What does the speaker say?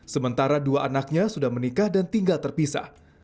sementara dua anaknya sudah menikah dan tinggal terpisah